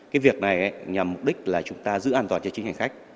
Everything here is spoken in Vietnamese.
cái việc này nhằm mục đích là chúng ta giữ an toàn cho chính hành khách